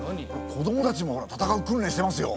子どもたちも戦う訓練してますよ。